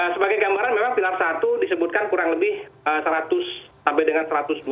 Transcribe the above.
sebagai gambaran memang pilar satu disebutkan kurang lebih seratus sampai dengan satu ratus dua puluh